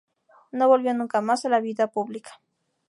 No volvió nunca más a la vida pública.